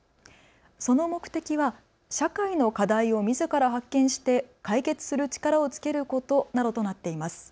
その目的は社会の課題をみずから発見して解決する力をつけることなどとなっています。